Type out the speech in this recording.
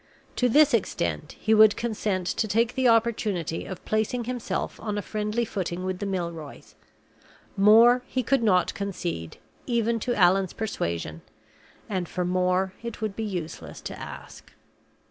To this extent he would consent to take the opportunity of placing himself on a friendly footing with the Milroys. More he could not concede, even to Allan's persuasion, and for more it would be useless to ask.